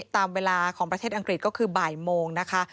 ตามเวลาของประเทศอังกฤษก็คือบ่ายโมงนะคะ